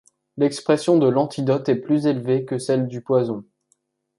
L’expression de l’antidote est plus élevée que celle du poison.